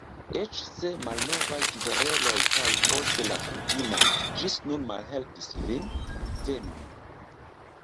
Eĉ se malnovaj kvereloj kaj poste la kutimo ĝis nun malhelpis vin: Venu!